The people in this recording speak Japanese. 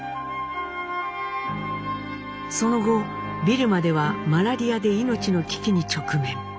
その後ビルマではマラリアで命の危機に直面。